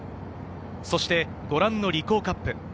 そしてご覧のリコーカップ。